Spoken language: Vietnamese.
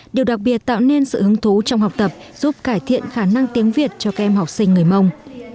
điều đặc biệt tạo nên sự hứng thú trong học tập giúp cải thiện khả năng tiếng việt cho các em học sinh người mông